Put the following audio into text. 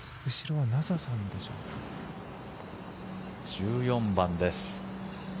１４番です。